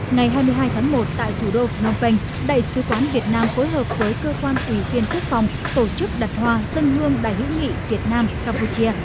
ngày hai mươi hai tháng một tại thủ đô phnom penh đại sứ quán việt nam phối hợp với cơ quan ủy viên thức phòng tổ chức đặt hòa dân hương đại hữu nghị việt nam campuchia